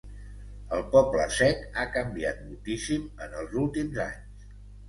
El Poble Sec ha canviat moltíssim en els últims anys!